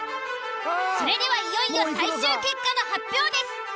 それではいよいよ最終結果の発表です。